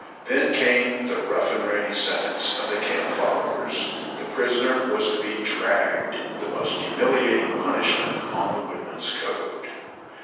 Then came the rough and ready sentence of the camp followers. The prisoner was to be "dragged" the most humiliating punishment on the woodmen's code.